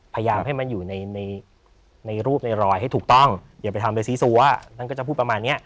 พยายามให้มันอยู่ในรูปในรอยให้ถูกต้องอย่าไปทำเลยซีซัวท่านก็จะพูดประมาณเนี้ย